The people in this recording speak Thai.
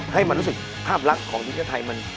ให้มันรู้สึกภาพลักษณ์ของวิทยาลัยไทยมัน